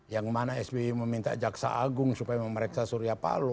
yang mana sby meminta jaksa agung supaya memeriksa surya palo